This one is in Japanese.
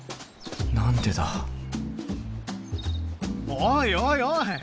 おいおいおい！